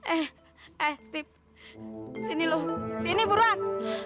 eh eh setip sini loh sini buruan